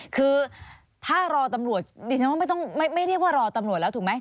คือถ้ารอตำรวจไม่เรียกว่ารอตำรวจแล้วถูกไหม